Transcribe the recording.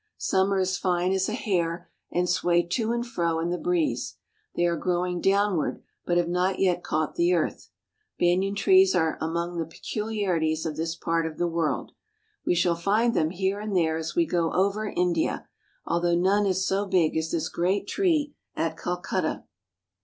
Some are as fine as a hair, and sway to and fro in the breeze ; they are grow ing downward but have not yet caught the earth. Banyan trees are among the peculiarities of this part of the world. We shall find them here and there as we go over India, although none is so big as this great tree at Calcutta.